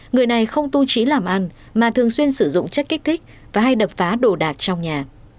người này không tu trí làm ăn mà thường xuyên sử dụng chất kích thích và hay đập phá đồ đạc trong nhà